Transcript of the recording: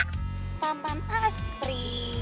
ke taman asri